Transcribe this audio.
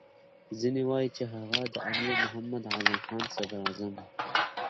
ځینې وایي چې هغه د امیر محمد اعظم خان صدراعظم وو.